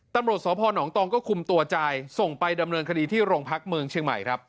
ตำรวจสพนตองก็คุมตัวจ่ายส่งไปดำเนินคดีที่โรงพักเมืองเชียงใหม่ครับ